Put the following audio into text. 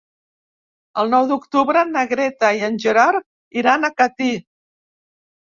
El nou d'octubre na Greta i en Gerard iran a Catí.